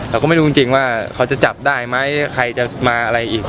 เราก็ไม่รู้จริงว่าเขาจะจับได้ไหมใครจะมาอะไรอีก